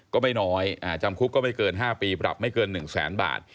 ก็ไม่น้อยจำคุกก็ไม่เกิน๕ปีปรับไม่เกิน๑แสนบาท